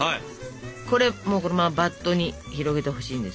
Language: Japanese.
これもうこのままバットに広げてほしいんですよ。